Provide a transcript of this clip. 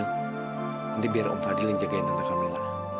nanti biar om fadil yang jagain tante camilla